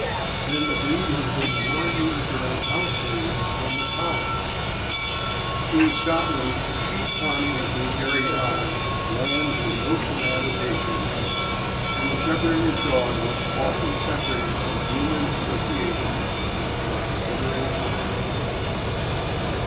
Then the breed has been more used around households than the Collie. In Scotland, sheep farming has been carried on on lands remote from habitations, and the shepherd and his dog were often separated from human associations for a considerable time.